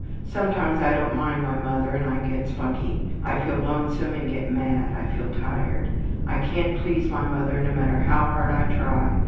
Sometimes I don't mind my mother and I get spunky. I feel lonesome and get mad. I feel tired. I can't please my mother no matter how hard I try.